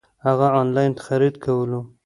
هغه انلاين خريد کولو